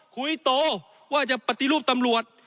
คุยโตว่าจะปฏิรูปตำรวจ